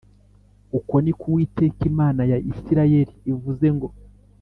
Uku ni ko Uwiteka Imana ya Isirayeli ivuze ngo